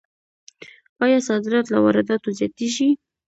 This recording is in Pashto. آیا صادرات له وارداتو زیاتیږي؟